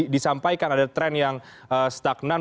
disampaikan ada tren yang stagnan